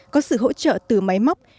có sự hỗ trợ từ máy móc